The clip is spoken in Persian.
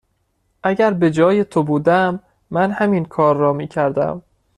اگر به جای تو بودم، من همین کار را می کردم.